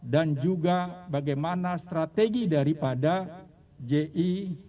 dan juga bagaimana strategi daripada ji itu